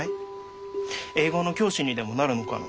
英語の教師にでもなるのかな？